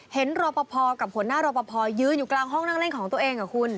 เห็นรวปภกับผลหน้ารวปภยืนอยู่กลางห้องนั่งเล่นของตัวเองเหรอคุณ